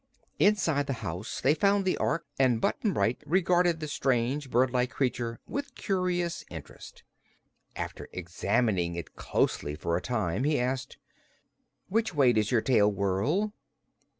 Inside the house they found the Ork, and Button Bright regarded the strange, birdlike creature with curious interest. After examining it closely for a time he asked: "Which way does your tail whirl?"